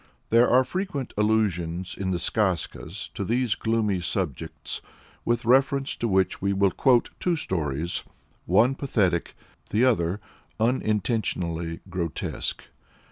There are frequent allusions in the Skazkas to these gloomy subjects, with reference to which we will quote two stories, the one pathetic, the other (unintentionally) grotesque.